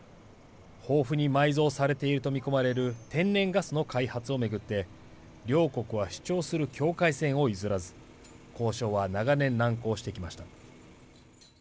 豊富に埋蔵されていると見込まれる天然ガスの開発を巡って両国は主張する境界線を譲らず交渉は長年、難航してきました。